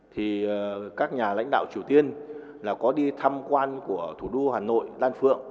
thì các nhà lãnh đạo triều tiên là có đi tham quan của thủ đô hà nội lan phượng